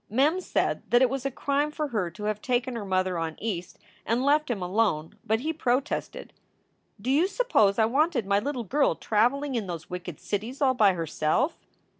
Mem said that it was a crime for her to have taken her mother on East and left him alone, but he protested: "D you suppose I wanted my little girl traveling in those wicked cities all by herself?"